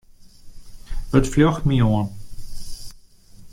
It fljocht my oan.